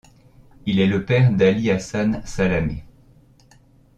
Il est le père d'Ali Hassan Salameh.